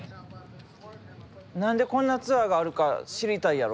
何でこんなツアーがあるか知りたいやろ？